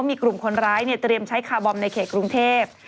มีกลุ่มคนร้ายเตรียมใช้คาร์บอมในเขตกรุงเทพ